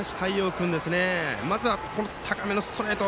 君まずは高めのストレート